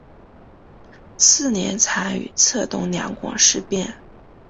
次年参与策动两广事变。